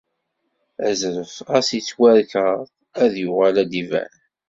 Azref, xas yettwarkeḍ, ad yuɣal ad d-iban.